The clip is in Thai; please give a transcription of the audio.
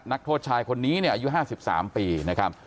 นักโทษชายคนนี้เนี่ยอายุห้าสิบสามปีนะครับ